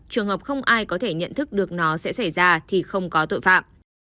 trường hợp không ai có thể nhận thức được nó sẽ xảy ra thì không có tội phạm